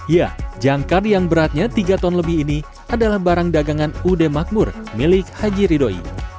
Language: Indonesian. ya jangkar yang beratnya tiga ton lebih ini adalah barang dagangan ud makmur milik haji ridoi